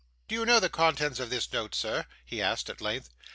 'Do you know the contents of this note, sir?' he asked, at length.